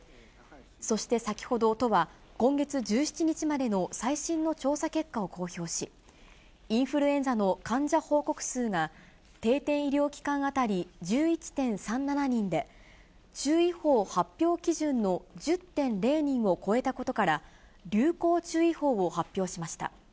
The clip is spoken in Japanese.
そして先ほど、都は今月１７日までの最新の調査結果を公表し、インフルエンザの患者報告数が、定点医療機関当たり１１．３７人で、注意報発表基準の１０．０人を超えたことから、流行注意報を発表しました。